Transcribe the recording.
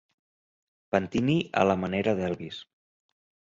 Pentini a la manera d'Elvis.